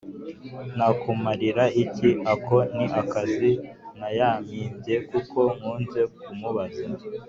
nakumarira iki ?" ako ni akazina yampimbye kuko nkunze kumubaza